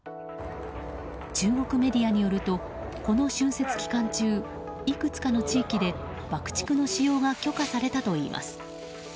中国メディアによるとこの春節期間中いくつかの地域で、爆竹の使用が許可されたといいます。